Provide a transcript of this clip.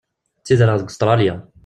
Ttidireɣ deg Ustralia.